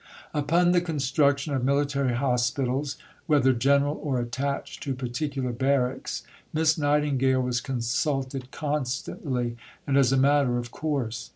Upon the construction of military hospitals whether general or attached to particular barracks Miss Nightingale was consulted constantly and as a matter of course.